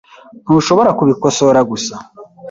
Ntushobora kubikosora gusa?